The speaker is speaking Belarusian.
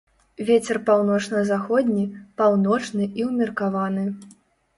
Вецер паўночна-заходні, паўночны і ўмеркаваны.